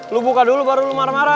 lo buka dulu baru lo marah marah